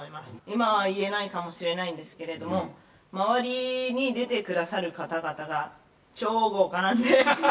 今は言えないかもしれないんですけれども、周りに出てくださる方々が、超豪華なんで。